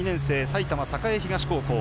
埼玉、栄東高校。